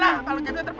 aku pengen dark